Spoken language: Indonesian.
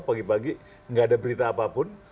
pagi pagi nggak ada berita apapun